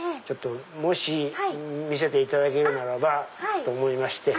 もし見せていただけるならばと思いまして。